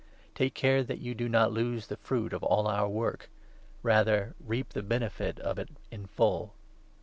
Take care that you do not lose the fruit of all our work; rather, 8 reap the benefit of it in full.